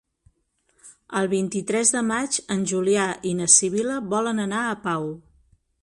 El vint-i-tres de maig en Julià i na Sibil·la volen anar a Pau.